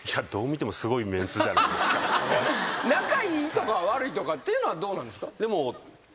仲いいとか悪いとかっていうのはどうなんですか？